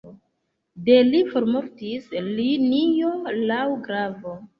De li formortis linio laŭ glavo.